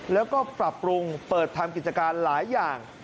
แล้วก็ปรับปรุงเปิดทำกิจการหลายอย่าง